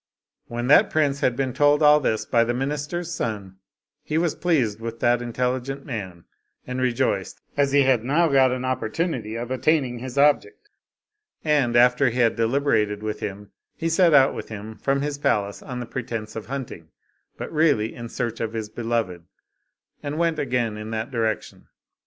When that prince had been told all this by the minister's son, he was pleased with that intelligent man, and rejoiced, as he had now got an opportunity of attaining his object, and, after he had deliberated with him, he set out with him from his palace on the pretense of hunting, but really in search of his beloved, and went again in that direction.